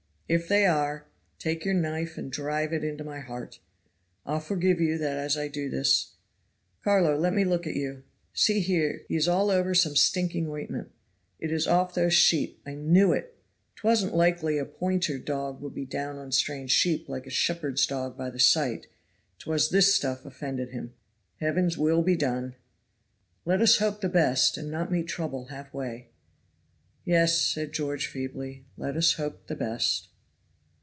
If they are, take your knife and drive it into my heart. I'll forgive you that as I do this. Carlo! let me look at you. See here, he is all over some stinking ointment. It is off those sheep. I knew it. 'Twasn't likely a pointer dog would be down on strange sheep like a shepherd's dog by the sight. 'Twas this stuff offended him. Heaven's will be done." "Let us hope the best, and not meet trouble half way." "Yes" said George feebly. "Let us hope the best."